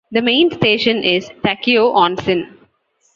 The main station is Takeo-Onsen.